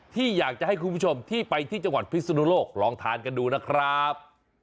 ที่อยากจะให้คุณผู้ชมที่ไปที่จังหวัดพิศนุโลกลองทานกันดูนะครับ